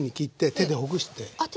手でほぐして。